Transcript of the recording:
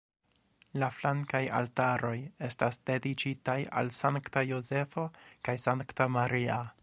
La flankaj altaroj estas dediĉitaj al Sankta Jozefo kaj Sankta Maria.